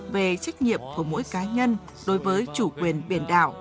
về trách nhiệm của mỗi cá nhân đối với chủ quyền biển đảo